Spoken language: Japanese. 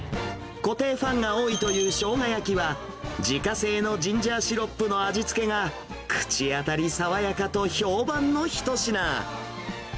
固定ファンが多いというしょうが焼きは、自家製のジンジャーシロップの味付けが、口当たり爽やかと評判の一品。